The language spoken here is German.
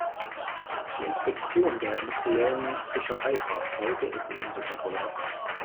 Die Inspektion der industriellen Fischereifahrzeuge ist ebenso kontrovers.